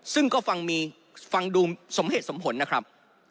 ซึ่งก็ฟังมีฟังดูสมเหตุสมผลนะครับ